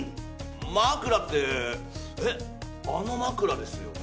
枕ってえっあの枕ですよね？